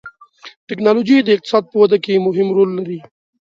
ټکنالوجي د اقتصاد په وده کې مهم رول لري.